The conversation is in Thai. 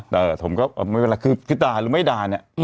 แต่ผมก็คือด่าหรือไม่ด่าเนี่ย